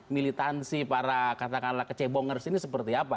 militansi para katakanlah kecebongers ini seperti apa